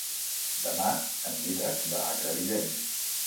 Demà en Dídac va a Crevillent.